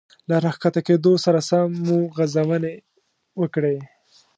له را ښکته کېدو سره سم مو غځونې وکړې.